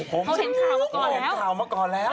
ผมเห็นข่าวมาก่อนแล้ว